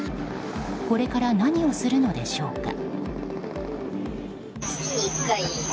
これから何をするのでしょうか。